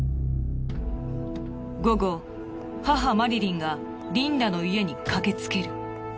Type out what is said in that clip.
午後母マリリンがリンダの家に駆けつける。